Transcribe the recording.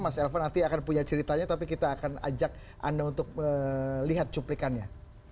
mas elvan nanti akan punya ceritanya tapi kita akan ajak anda untuk melihat cuplikannya